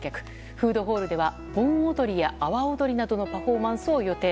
フードホールでは盆踊りや阿波踊りなどのパフォーマンスを予定。